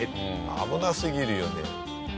危なすぎるよね。